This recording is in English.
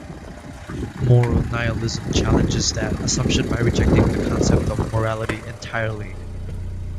Moral nihilism challenges that assumption by rejecting the concept of morality entirely.